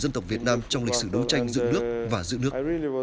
dân tộc việt nam trong lịch sử đấu tranh giữa nước và giữa nước